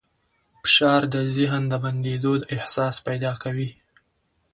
فشار د ذهن د بندېدو احساس پیدا کوي.